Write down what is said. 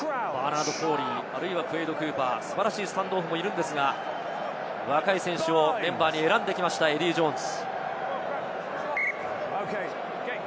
先ほどもお伝えしましたが、バーナード・フォーリー、クエイド・クーパー、素晴らしいスタンドオフもいるんですが、若い選手をメンバーに選んできました、エディー・ジョーンズ。